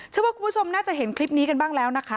เชื่อว่าคุณผู้ชมน่าจะเห็นคลิปนี้กันบ้างแล้วนะคะ